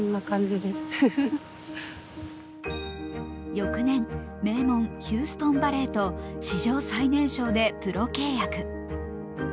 翌年、名門ヒューストン・バレエと史上最年少でプロ契約。